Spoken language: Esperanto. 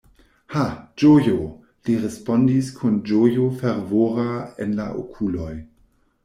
Ha, ĝojo! li respondis kun ĝojo fervora en la okuloj.